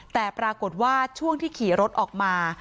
แต่ปรากฏว่าช่วงที่ขี่รถออกมา